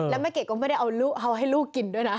แล้วแม่เกดก็ไม่ได้เอาให้ลูกกินด้วยนะ